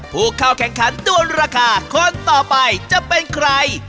ผู้เข้าแข่งขันด้วนราคาคนต่อไปจะเป็นใคร